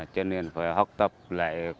cho nên phải học tập lại